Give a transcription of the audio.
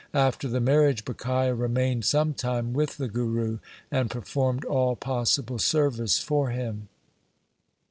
After the marriage Bhikhia remained sometime with the Guru and performed all possible service for him.